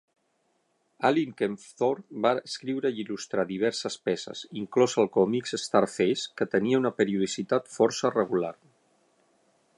Allin Kempthorne va escriure i il·lustrar diverses peces, inclòs el còmic "Starface", que tenia una periodicitat força regular.